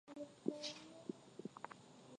katika kutetea haki za wabunge hao